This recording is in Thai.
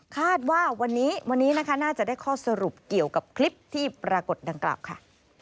คาดว่าวันนี้วันนี้นะคะน่าจะได้ข้อสรุปเกี่ยวกับคลิปที่ปรากฏดังกล่าวค่ะ